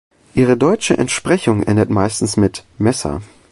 Ihre deutsche Entsprechung endet meistens mit "-messer".